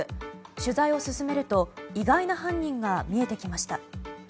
取材を進めると意外な犯人が見えてきました。